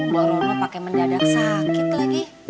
bu rono pakai mendadak sakit lagi